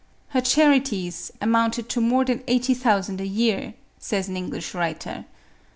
Her charities " amounted to more than eighty thousand a year," says an English writer.